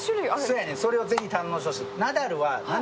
そうやねん、それをぜひ堪能してほしい。